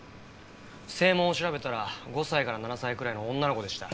声紋を調べたら５歳から７歳くらいの女の子でした。